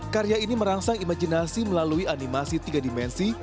karya ini merangsang imajinasi melalui animasi tiga dimensi